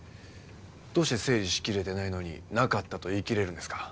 どうして整理しきれてないのになかったと言いきれるんですか？